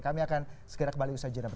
kami akan segera kembali usaha jenama ini